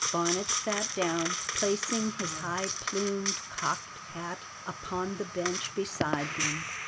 Bonnet sat down, placing his high plumed cocked hat upon the bench beside him.